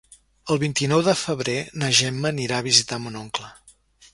El vint-i-nou de febrer na Gemma anirà a visitar mon oncle.